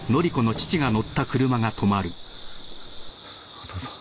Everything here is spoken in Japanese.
お父さん。